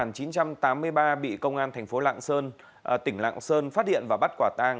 năm một nghìn chín trăm tám mươi ba bị công an thành phố lạng sơn tỉnh lạng sơn phát hiện và bắt quả tang